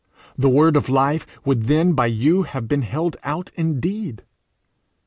The word of life would then by you have been held out indeed.